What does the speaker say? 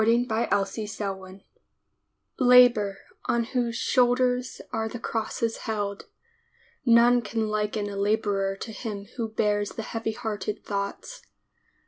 DAY DREAMS LABOR On whose shoulders are the crosses held, None can liken a laborer to him who bears the heavy hearted thoughts.